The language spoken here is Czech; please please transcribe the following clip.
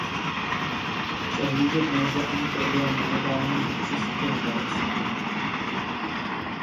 Přehlížet nelze ani problém nelegálního přistěhovalectví.